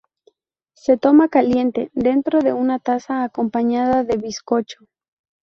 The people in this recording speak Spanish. Se toma caliente dentro de una taza acompañada de bizcocho.